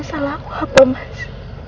masalah aku apa mas